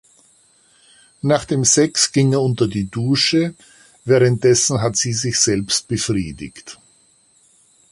Nach dem Sex ging er unter die Dusche, während dessen hat sie sich selbstbefriedigt.